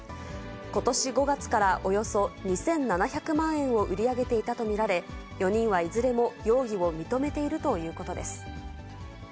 ことし５月からおよそ２７００万円を売り上げていたと見られ、４人はいずれも容疑を認めているということです。